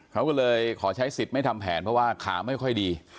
เขาก็เลยขอใช้สิทธิ์ไม่ทำแผนเพราะว่าขาไม่ค่อยดี